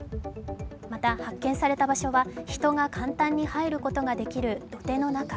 また、発見された場所は人が簡単に入ることができる土手の中。